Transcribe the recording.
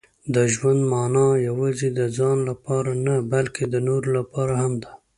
• د ژوند مانا یوازې د ځان لپاره نه، بلکې د نورو لپاره هم ده.